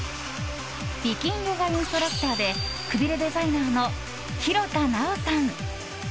美筋ヨガインストラクターでくびれデザイナーの廣田なおさん。